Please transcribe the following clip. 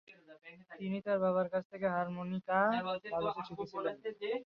তিনি তার বাবার কাছ থেকে হারমোনিকা বাজাতে শিখেছিলেন।